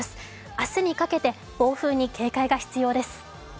明日にかけて、暴風に警戒が必要です。